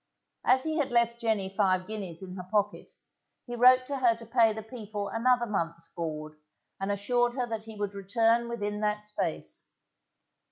As he had left Jenny five guineas in her pocket, he wrote to her to pay the people another month's board, and assured her that he would return within that space.